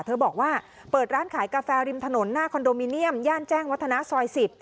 เธอบอกว่าเปิดร้านขายกาแฟริมถนนหน้าคอนโดมิเนียมย่านแจ้งวัฒนาซอย๑๐